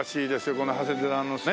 この長谷寺のね。